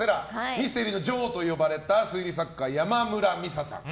ミステリーの女王と呼ばれた推理作家、山村美紗さん。